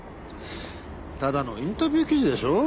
ただのインタビュー記事でしょ？